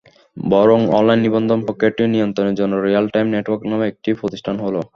বরং অনলাইনে নিবন্ধন-প্রক্রিয়াটি নিয়ন্ত্রণের জন্য রিয়াল টাইম নেটওয়ার্ক নামে একটি প্রতিষ্ঠান হলো।